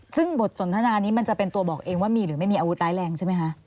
ซึ่งบทสนทนานี้มันจะเป็นตัวบอกเองว่ามีหรือไม่มีอาวุธร้ายแรงใช่ไหมคะ